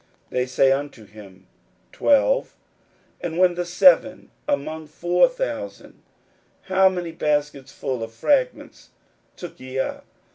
They say unto him, Twelve. 41:008:020 And when the seven among four thousand, how many baskets full of fragments took ye up?